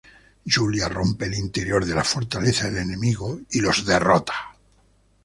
Yulia rompe el interior de la fortaleza del enemigo y los derrota.